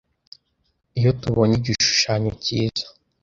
Iyo tubonye igishushanyo cyiza